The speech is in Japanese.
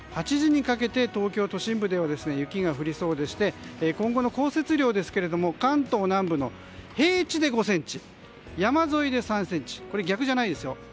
８時にかけて東京都心部では雪が降りそうでして今後の降雪量ですけども関東南部の平地で５ｃｍ山沿いで３ｃｍこれ、逆じゃないですよ。